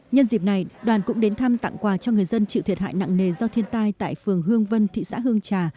nhân dịp này đoàn cũng đến thăm tặng quà cho người dân chịu thiệt hại nặng nề do thiên tai tại phường hương vân thị xã hương trà